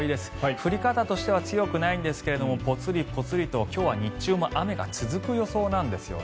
降り方としては強くないんですがぽつりぽつりと今日は日中も雨が続く予想なんですね。